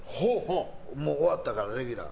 終わったから、レギュラー。